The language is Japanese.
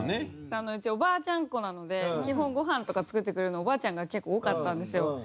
うちおばあちゃんっ子なので基本ごはんとか作ってくれるのおばあちゃんが結構多かったんですよ。